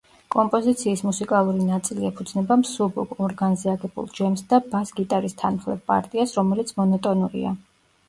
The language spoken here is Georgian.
კომპოზიციის მუსიკალური ნაწილი ეფუძნება მსუბუქ, ორგანზე აგებულ ჯემს და ბას-გიტარის თანმხლებ პარტიას, რომელიც მონოტონურია.